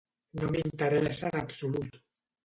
No m'interessa en absolut.